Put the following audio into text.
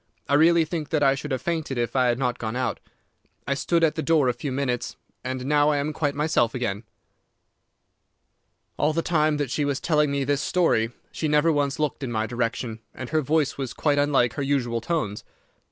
I really think that I should have fainted if I had not gone out. I stood at the door for a few minutes, and now I am quite myself again.' "All the time that she was telling me this story she never once looked in my direction, and her voice was quite unlike her usual tones.